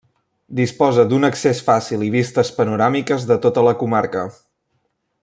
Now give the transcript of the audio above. Disposa d'un accés fàcil i vistes panoràmiques de tota la comarca.